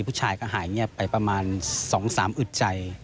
ผู้ชายก็หายเงียบไปประมาณ๒๓อึดใจ